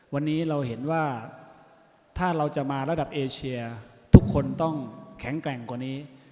วันนี้เราเห็นว่าถ้าเราจะมาระดับเอเชียทุกคนต้องแข็งแกร่งกว่านี้